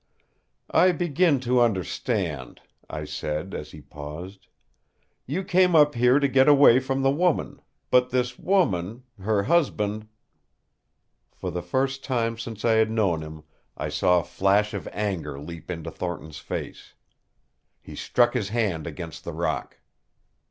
"I begin to understand," I said, as he paused. "You came up here to get away from the woman. But this woman her husband " For the first time since I had known him I saw a flash of anger leap into Thornton's face. He struck his hand against the rock.